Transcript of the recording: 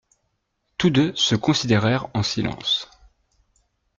Tous deux se considérèrent en silence.